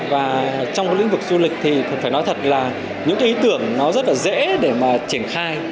và trong lĩnh vực du lịch thì phải nói thật là những cái ý tưởng nó rất là dễ để mà triển khai